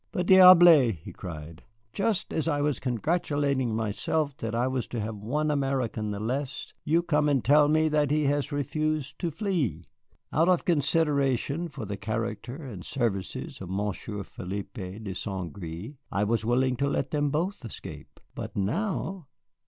But, diable," he cried, "just as I was congratulating myself that I was to have one American the less, you come and tell me that he has refused to flee. Out of consideration for the character and services of Monsieur Philippe de St. Gré I was willing to let them both escape. But now?"